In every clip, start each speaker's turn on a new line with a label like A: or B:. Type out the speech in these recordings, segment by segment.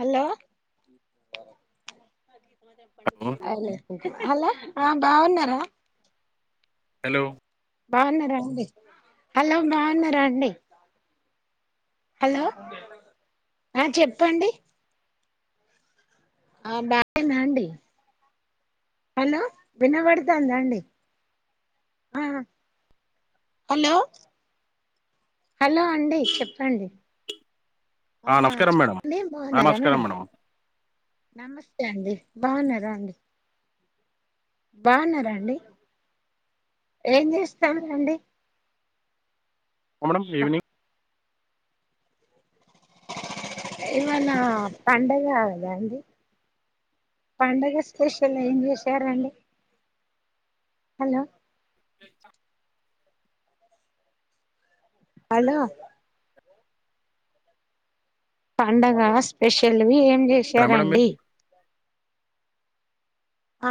A: Hello
B: hello
A: అ hello ఆ బాగున్నారా
B: హలో
A: బాగున్నారాండి హలో బాగున్నారా అండి హలో ఆ చెప్పండి ఆ బా మండడి హలో వినబడుతుాందా అండి హలో హలో అండి చెప్పండి ఆ
B: నమస్కారం మేడం
A: చెప్పడి
B: ఆ,
A: బాగున్నారా
B: నమస్కారం
A: మేడం
B: ఆ,
A: నమస్తే అండి బాగున్నార అండి బాగున్నాండి ఏం చేస్తాం రండి
B: మేడడం ఈవిెనింగ్
A: ఇవా నా పండగ అదా అండి పడుగ స్పెషల్ ఏం చేూసారంండి హలో హలో పండగ స్పెషల్వి ఏం
B: రా మేడం మీరు
A: చేసారంండి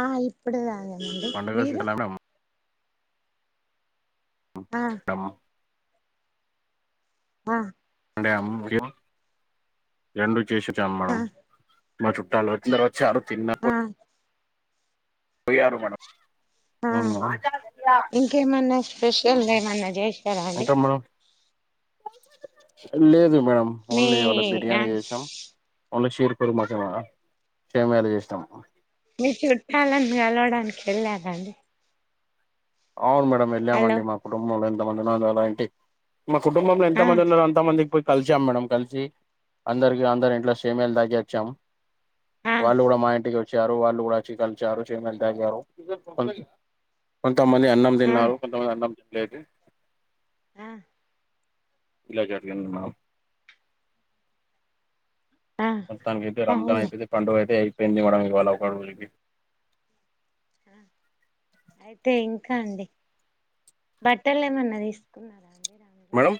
A: ఆ ఇప్పుడుదాగానండి
B: పండుగ
A: మీరు
B: చూడాలా మేడం
A: ఆ
B: మ్మా
A: ఆ
B: అండే అమ్ రెండు చేసచ్చాం
A: ఆ
B: మనం మా చుట్టాలు వచ్చిన తర్వాత చారు తిన్నప్పు
A: ఆ
B: యారు మన
A: ఇంకేమన్నా స్పెషల్ ఏమన్నా చేశారా అండి
B: మేడం లేదు మేడం
A: మీ
B: ఓన్లీ వావాళ బిర్యానీ చేసాం న్లీ కషీర పూరు మొ సషమ్యాద చేసినాం
A: మీ చుట్టాలని కలవడానికి వెళ్ళారండి
B: అవును మేడం
A: హలో
B: వెళ్ళామండి మా కుటుంబంలో ఎంతమంది ఉందో అలాంటి మా కుటుంబంంలో ఎంత
A: ఆ
B: మంది ఉన్నారు అంత మందికి పోయి కలిసాం మేడడం కలిసి అందరికి అందరి ఇంట్లో సేమలు తాగి వచ్చాం
A: ఆ
B: వాళ్ళు కూడా మాయంటికి చార వాళ ఉడచ కలు చార చె మా కొంతమంది అన్నం
A: ఆ
B: తిన్నారు కొంతమంది అన్నం తినలేదు.
A: ఆ
B: ఇలా జరిగింది మక్.
A: ఆ
B: మొత్తానికి అయితే రంజాన్
A: అవును
B: అయిపోయింది. పండుగ అయితే అయిపోయింది మనికి వాళ్లు అవపడరు ఉలికి.
A: అయితే ఇంకా అండి. బట్టలు ఏమన్నా తీసుకున్నారా. రంజాన్
B: మేడం.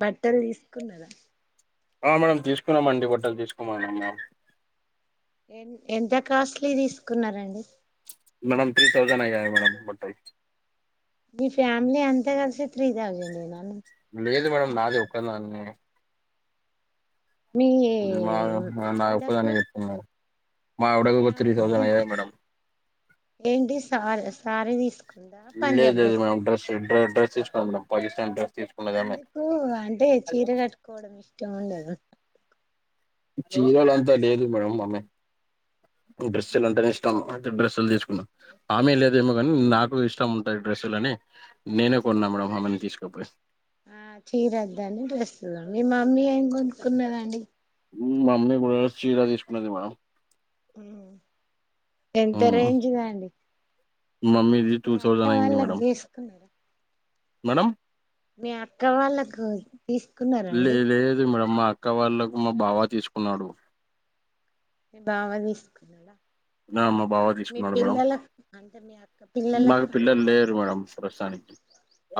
A: బట్టలు తీసుకున్నారా.
B: ఆ మేడం తీసుకున్నామ్ అండి బట్టలు తీసుకున్నామ్ మేమ్.
A: ఎ ఎంత కాస్ట్లీ తీసుకున్నారండి.
B: మేడం త్రీ తౌసండ్ అయ్యాయి మేడం బట్టలకి.
A: మీ ఫ్యామిలీ అంతా కలిసి త్రీ థౌసండ్ ఏనా.
B: లేదు మేడం నాది ఒక దాన్నన్ని.
A: మీ
B: మా నా
A: ఆవిడకు
B: ఒక్కదానికి ఇతున్నారు.
A: మీ ఆవిడకి ఏంటి సార్ సారీ తీసుక్.
B: లేదుది మేమ్ డ్రస్ డ్రెస్ తీసుకు మమ్ పాకిస్తానీ డ్రెస్. తీసుకున్నదామె
A: ఎందుకు అంటే చీర కట్టుకోవడం ఇష్టం ఉండద.
B: చీరలంతా లేదు మేడం మమ్మీ డ్రెస్సులు అంటానే ఇష్టం ఉం. డ్రెస్సులు తీసుకున్నాం ఆమె లేదేమో కానీ నాకు. నాక్ ఇష్టం ఉంటాయి డ్రెస్సులు అని నేనే కొన్నా మేడమ్ ఆమెని తీసుకుపోయి.
A: ఆ చీరద్ద అని డ్రెస్ కొన్నద్ మీ మమ్మీ ఏం కొనుక్కున్నదండి.
B: మా మమ్మీ కూడా చీర తీసుకున్నది మేడం.
A: ఆ. ఎంత
B: ఉమ్.
A: రేంజ్ దండి.
B: మమ్మీది టూ థౌజండ్ అయింది మేడం మేడం.
A: మీ అక్క వాళ్ళకు తీసుకున్నార
B: లే
A: అండి.
B: లేదు మేడం మా అక్క వాళ్ళలకు మా బావా తీసుకున్నాడు.
A: మీ బావా నీ.
B: నా మా బావ తీసుకున్నాడు మేడం.
A: అంటే మీ అక్క
B: మాకు
A: పిల్లలకు
B: పిల్లలు లేరు మేడం ప్రస్తుతానికి.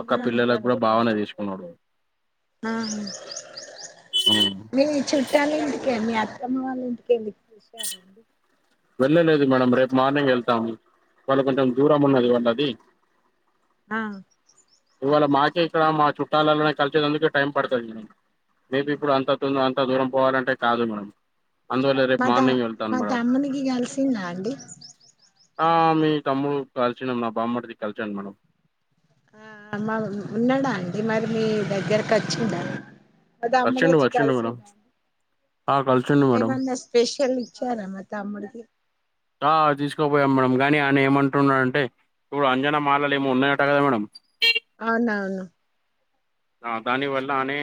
B: అక్క
A: ఆ
B: పిల్లలకు కూడా బావనే తీసుకున్నాడు. ఉమ్
A: మీ చుట్టాల ఇంటికే మీ అత్త్. తమ్ముడు వాళ్ళ ఇంటికి వెళ్లి చూసి రాపో.
B: వెళ్ళలేదు మేడం రేపు మార్నింగ్ వెళ్తాము. వాళ్ళ కొంచెం దూరం ఉన్నది వాళ్ళది.
A: ఆ.
B: ఇవళ మాకే ఇక్కడ మా చుట్టాలలోనే కలిసేందుకే టైం పడుతది మేబి ఇప్పుడు అంత దున్. అంత దూరం పోవాలంటే కాదు మేడం. అందువల్లే రేపు మార్నింగ్ వెళ్తాను మేడం.
A: తినండి.
B: ఆ మీ తమ్ముడు కలిసినం నా బామ్మడిది కలిసాను మేడం.
A: ఆఆ ఉన్నాడా అండి మరి మీ దగ్గరకు వచ్చిండా. అళ్ల అమ్మడ
B: వచ్చిండు
A: వచ్చి
B: వచ్చిండు మేడం
A: కలిసిండు.
B: ఆ కలిసిండు మేడం
A: ఏమన్నా స్పెషల్ ఇచ్చారా మరి తమ్ముడికి.
B: ఆ తీసుకుపోయాం మేడం. కాని ఆయన ఏమంటున్నాడుంటే ఇప్పుడు అంజనా మాలలు ఏమో ఉన్నాయట కదా మేడం.
A: అవునవును.
B: ఆ దాని వల్ల అనే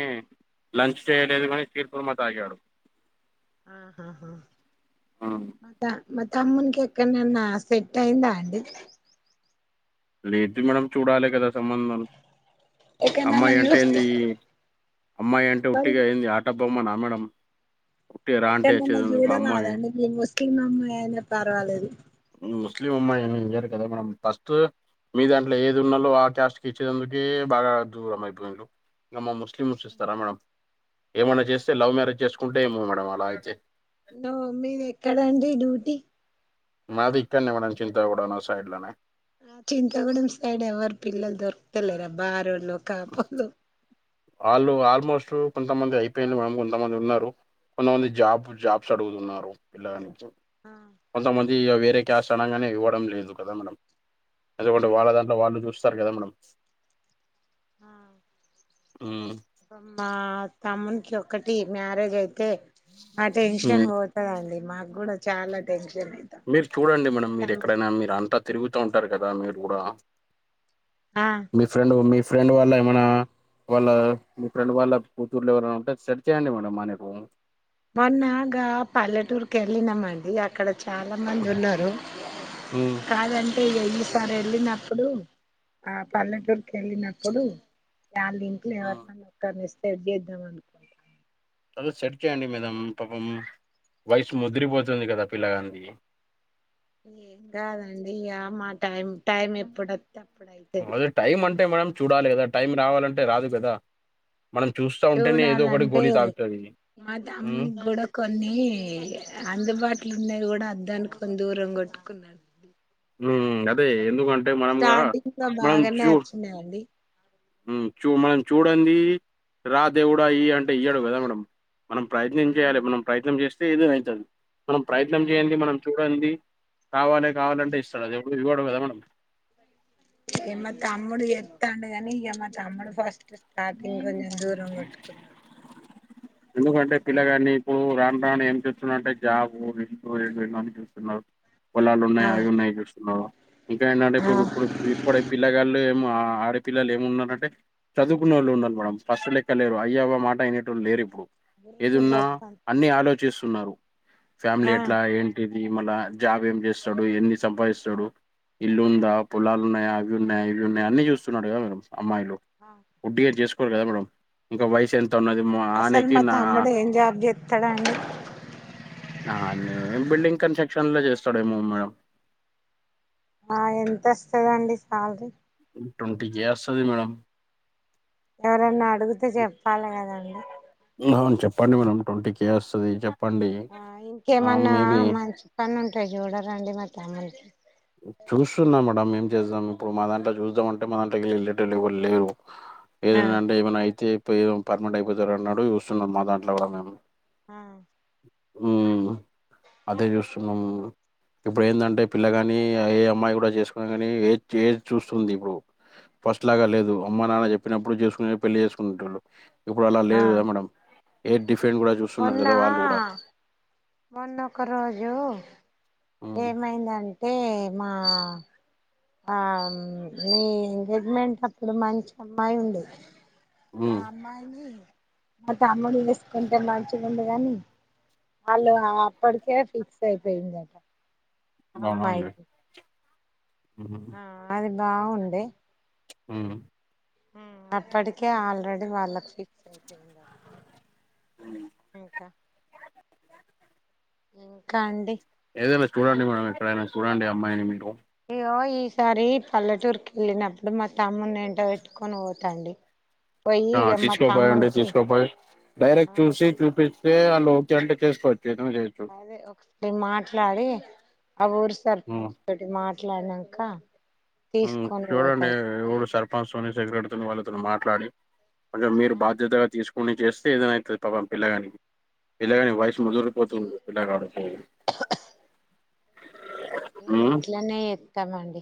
B: లంచ్ చేయలేదు కాని కేర్ పుర మందు తాగాడు.
A: ఆహాహా.
B: హ్మ్
A: మా తమ్మునికి ఎక్కడనన్న సెట్ అయిందా అండి.
B: లేదు మేడం చూడాలే కదా సంబంధం.
A: ఎక్కడనన్నా
B: అమ్మాయి అంటే
A: చూస్త
B: ఏంది అమ్మాయి అంటే
A: మరి
B: ఉట్టిగా ఏం ఆట. బొమ్మనా మేడం. ఉట్టిగా రా
A: ఎక్కడ
B: అంటే
A: నాన్న
B: వచ్చేది ఎందుకు అమ్మాయి
A: చూడరాదండి మీ ముస్లిం అమ్మాయి అయినా పర్వాలేదు.
B: ముస్లిం అమ్మాయి అని ఏం చేయరు కద ఫస్ట్ మీ దాంట్లో ఏది ఉన్నాలో ఆ ట్యాస్ట్ కి ఇచ్చేందుకే బాగా దూరం అయిపోయింలు ఇంకా మా ముస్లిమ్స్ కి ఇస్తారా మేడమ్ ఏమన్నా చేస్తే లవ్ మ్యారేజ్ చేసుకుంటే ఏమో మేడమ్ అలా అయితే
A: ఓ మీది ఎక్కడండి డ్యూటీ
B: మాది ఇక్కడనే మేడమ్ చింతగూడా సైడ్ లనే
A: ఆ చింతాగూడం సైడ్ ఎవరు పిల్లలు దొరకుతలేరా బారోళ్లు
B: వాళ్ళు ఆల్మోస్ట్ కొంతమంది అయిపోయిన్రు మేడం కొంతమంది ఉన్నారు కొంతమంది జాబ్ జాబ్స్ అడుగుతున్నారు పిల్ల గానుంచి
A: ఆ
B: కొంతమంది వేరే క్యాస్ట్ అనగానే ఇవ్వడం లేదు కదా మేడం ఎందుకంటే వాళ్ళ దాంట్లో వాళ్ళు చూస్తారు కదా మేడం
A: అ
B: మ్మ్
A: మా తమ్మునికి ఒకటి మ్యారేజ్ అయితే ఆ టెన్షన్
B: మ్మ్
A: పోతదండి మాకు కూడా చాలా టెన్షన్ అయితాం
B: మీరు చూడండి
A: మా
B: మేడం మీరు
A: తమ్ముడు
B: ఎక్కడైనా మీరు అంతా తిరుగుతూ ఉంటారు కదా మీరు కూడా
A: ఆ
B: మీ ఫ్రెండ్ వాల్ళ ఏమన్నా వాళ్ళ మీ ఫ్రెండ్ వాళ్ళ కూతుర్లు ఎవరైనా ఉంటే సెట్ చేయండి మేడం మా అన్నకు
A: మొన్న గా పల్లెటూరికి వెళ్లినామండి అక్కడ చాలా మంది ఉన్నారు
B: ఉమ్
A: కాదంటే ఎన్ని సార్లు వెళ్ళినప్పుడు ఆ పల్లెటూరుకి వెళ్ళినప్పుడు వాళ్ళ ఇంట్లో ఎవరినన్న ఒక్కరిని సెట్ చేద్దాం అనుకున్నా
B: మేడం సెట్ చేయండి మేడం పాపం వయసు ముదరిపోతంది కదా పిల్లగాన్ది
A: ఏం కాదండి ఇగ మా టైం టైం ఎప్పుడు
B: అదే టైం అంటే మేడం చూడాలి కదా టైం రావాలంటే రాదు కదా మనం చూస్తా ఉంటేనే ఏదో ఒకటి
A: చూడాలంటే
B: గోళీ తాకుతది
A: మా
B: ఉమ్
A: తమ్మునికి కూడా కొన్ని అందుబాటు వున్నాయి కూడా అద్దానుకొని దూరం కొట్టుకున్నాడు
B: మ్మ్ అదే ఎందుకంటే మనం కూడా
A: స్టార్టింగ్ లో
B: మనం
A: బాగానే
B: చూ
A: వచ్చినాయండి
B: మనం చూడంది రా దేవుడా ఇయ్యి అంటే ఇయ్యాడు కదా మేడం మనం ప్రయత్నం చేయాలి
A: అవును
B: మనం ప్రయత్నం చేస్తే ఏదయినా అయితది మనం ప్రయత్నం
A: అవును
B: చేయన్ది మనం చూడన్ది కావాలి కావాలంటే ఇస్తాడా చెప్పు ఇవ్వడు కదా మేడం
A: ఇగ మా తమ్ముడు చెత్తండు కాని ఇగ మా తమ్ముడు ఫస్ట్ స్టార్టింగ్ కొంచెం దూరం కొట్టుకున్నాడు
B: ఎందుకంటే
A: అట్లా
B: పిల్లగాని ఇప్పుడు రాను రాను ఎం చూస్తున్నా అంటే జాబ్ ఏమేమ్ ఉన్నాయో చూస్తున్నారు పొలాలు
A: ఆ
B: ఉన్నాయ అని చూస్తున్నారు ఇంకా ఏంటంటే
A: ఆ
B: ఇప్పుడు ఇప్పటి ఆడ పిల్లగాళ్ళు ఏలా ఉన్నారంటే చదువుకున్నోళ్లు ఉన్నారు మేడం ఫస్ట్ లెక్క లేరు అయ్యఅవ్వ మాట వినేటోళ్ళు లేరు ఏదున్నా అన్ని ఆలోచిస్తున్నారు ఫ్యామిలీ
A: ఆ
B: ఎట్లా ఏంటి మళ్ళ జాబ్ ఏం చేస్తాడు ఎన్ని సంపాదిస్తాడు ఇల్లు ఉందా పొలాలు ఉన్నాయా ఇవి ఉన్నాయి ఇవి ఉన్నాయి అన్ని చూస్తున్నారు కదా అమ్మాయిలు
A: ఆ
B: ఒడ్డిగా చేసు కోరు కదా మేడం ఇంకా వయసు ఎంత ఉన్నది అని
A: అసలు మా తమ్ముడు ఏం జాబ్ చెస్తడండి
B: ఏ బిల్డింగ్ కన్స్ట్రక్షన్ లో చేస్తాడేమో మేడం
A: ఆ ఎంత వస్తదండి సాలరీ
B: ట్వంటి కే వస్తది మేడం
A: ఎవరన్నా అడిగితే చెప్పాలి కదండి
B: అవును చెప్పండి మేడం ట్వంటీ కే వస్తది చెప్పండి
A: ఆ
B: ఆ
A: ఇంకేమన్నా
B: మేబి
A: మంచి పని ఉంటాయి చూడరా అండి మా తమ్ముడికి
B: చూస్తున్నా మేడంఏం చేద్దాం ఇప్పుడు మా దంట్లా చూద్దాం అంటే మా దంటాకెళ్ళి ఎల్లేటోళ్ళు ఎవరు లేరు
A: ఆ
B: ఏదన్నా అంటే ఏమైనా అయితే ఏ పర్మినెంట్ అయిపోతార అన్నాడు చూస్తున్నా మా దాంట్లో కూడా మేడం
A: ఆ
B: ఉమ్ అదే జూస్సున్నం ఇప్పుడేందంటే పిల్లగాని ఏ అమ్మాయి గుడా జేస్కో గని ఏజ్ ఏజ్ జుస్తుంది ఇప్పుడు ఫస్ట్లాగా లేదు అమ్మ నాన్న జేప్పినప్పుడు జేస్కునే పెళ్ళీ చేస్కునేటోళ్ళు ఇప్పుడలా
A: ఆ
B: లేదు గదా మేడం ఏ డిఫెండ్ గుడా జూస్తున్నారు గదా వాళ్ళు
A: ఆ
B: గుడ్
A: మొన్న ఒక రోజు
B: హ్మ్.
A: ఏమైందం టే మా ఆ మీ గేజ్మెంటప్పుడు మంచమ్మాయి ఉండే ఆ
B: హ్మ్.
A: అమ్మాయిని మా తమ్ముడు జేస్కుంటే మంచిగుండు గనీ వాళ్లు అ అప్పటికే ఫిక్స్ ఐపోయిందట అమ్మాయ్కి
B: ఊ
A: బాగుంది
B: ఉ
A: అప్పటికే ఆల్రెడీ వాళ్ళకి ఫిక్స్ ఐపోయింద ఇంక
B: అ
A: ఇంకండి
B: ఏదైన చూడండి మేడం చూడాండడి అమ్మయిని మీరు
A: యో ఈసారి పల్లెటూరుకెళ్ళినప్పుడు మా తమ్మున్ని ఏంట వెట్టుకొని వోతండి
B: ఆ తీస్కోపోయండి తీస్కోపోయ్ డైరెక్ట్
A: ఆ
B: చూసి చూపిస్తే ఆళ్ళు ఓకే అంటే చేస్కో
A: అదే ఒ రి మాట్లాడి ఆ ఊరు
B: హ్మ్.
A: సర్పంచ్తోటి మాట్లాడిన క
B: ఉమ్ చూడండి ఎ ఊరు సర్పంచ్ తోని తొని వాళ్ళతోని మాట్లాడి కొంచం మీరు బాధ్యతగా తీస్కు కొని జేస్తే ఏదైనా ఐతది పాపం పిల్లగానికి పిల్లగాని వయస్
A: ఎత్తి
B: ముదరిపోతుంది పిల్లగాడు
A: ఇగ గట్లనే ఏత్తమండి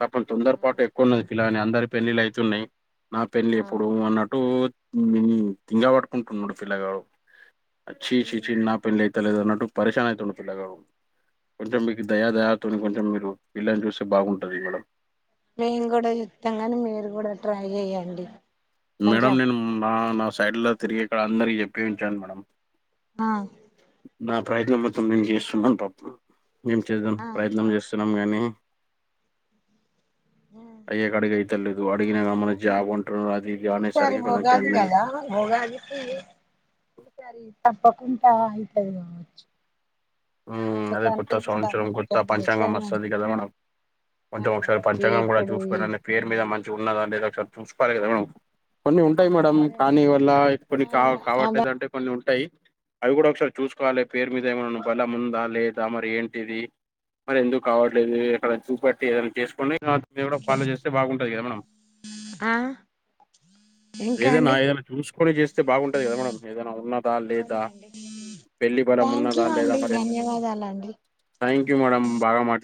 B: పాప్పం తొందర పాటు ఎక్కువున్నది పిల్లగాని అందరి పెల్లిల్లైతున్నాయ్ నా పెళ్ళి
A: ఆ
B: ఎప్పుడు అన్నట్టూ ఊమ్ తింగవట్కుంటున్నాడు పిల్లగాడు చీ చీ చీ నా పెళ్లి ఐతలేదు న టు పరెశాన్ ఐతుండు పిల్లగడు కొంచెం మీకు దయా దాయతో కొంచెం మీరు పిల్లని జూసి బాగుం ది మనం
A: మేమ్ గుడా జుత్తం గని మీరు గుడా ట్రై ఎయ్యండి
B: మేడం నేను మా న సైడ్ల తిరిగేకాడ అందరి జేప్పి ఉంచాను మేడం
A: ఆ
B: నా ప్రయత్నం మొత్తం నేను చేస్తున్నంటవ్ ప్పుడు ఏం చేస్ధం
A: ఆ
B: ప్రయత్నం చేస్తున్నాం గనీ అయ్యకడిగైతలేదు అడిగిన గమన జాబుం
A: ఈసారి ఒగాది గదా ఒగాదికీ తప్పకుంటా ఐతది గావచ్చు
B: అదే కొత్తా సౌచ్రం కొత్తా
A: కొంచెం
B: పంచాంగం
A: మంచిగానే ఉంది
B: ఒస్తది గదా మనం
A: ఆ
B: కొంచెం ఒక్సారి పంచాంగం గుడా
A: ఇప్పుడు
B: చూస్కో నే పేరు మీద మంచిగున్నాదా లేద ఒక్సరి స్కొలే గదా మనం కొన్ని ఉంటయ్ మేడం
A: అదే
B: కానీ వల్ల కొన్ని కావ్ కావట్లేదంటే కొన్ని ఉ టై అవి గుడా ఒక్సారి చూస్కోవాలె పేరు మీద ఏమన్ బలం ఉందా లేదా మరి ఏంటిది మరి ఎందుకు అవట్లేదు ఇక్కడ చూపెట్టి ఏదనా చేస్కోని దేవుడ
A: ఓకే
B: ఫాలో జేస్తే బాగుంటది గదా మనం
A: అ
B: ఏదైనా ఏదైనా చూస్కోని జేస్తే బాగుంటది గదా మేడం ఏదైన ఉన్నదా లేదా
A: అవునండి
B: పెళ్లి బలం
A: థ్యాంక్
B: ఉన్నదా
A: యూ
B: లేదా
A: అండి
B: మరే
A: ధన్యవాదాలండి
B: థ్యాంక్యూ మేడం బాగా మాట్